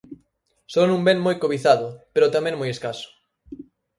Son un ben moi cobizado, pero tamén moi escaso.